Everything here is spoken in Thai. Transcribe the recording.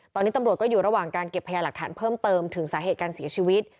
ตอนนี้ตำรวจก็อยู่ระหว่างการเก็บพยาหลักฐานเพิ่มเติมถึงสาเหตุการเสียชีวิต